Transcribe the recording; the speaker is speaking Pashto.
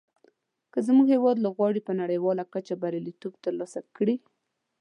که زموږ هېواد لوبغاړي په نړیواله کچه بریالیتوب تر لاسه کړي.